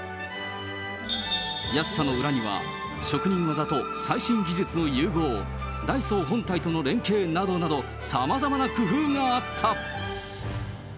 安さの裏には、職人技と最新技術の融合、ダイソー本体との連携などなど、さまざまな工夫があった。